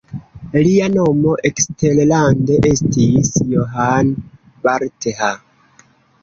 Lia nomo eksterlande estis John Bartha.